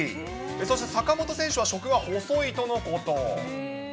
そして坂本選手は食は細いとのこと。